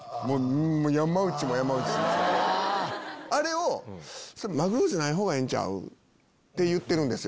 あれを「マグロじゃないほうがええんちゃう？」。って言ってるんですよ